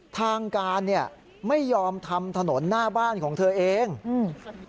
ทางการเนี้ยไม่ยอมทำถนนหน้าบ้านของเธอเองอืม